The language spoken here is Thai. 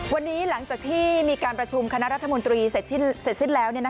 วันนี้หลังจากที่มีการประชุมคณะรัฐมนตรีเสร็จสิ้นแล้ว